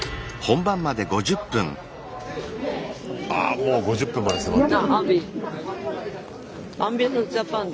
ああもう５０分まで迫ってる。